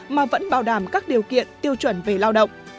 mà vẫn bảo đảm các điều kiện tiêu chuẩn về lao động